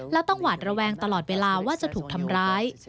แล้วต้องหวาดระแวงตลอดเวลาว่าจะถูกทำร้าย